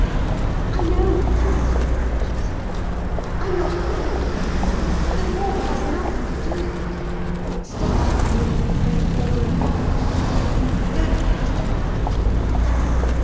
"I know all that," she said. "I'm not a fool. But the war has nothing to do with it. It started a month before the war broke out. Don't let us talk of it."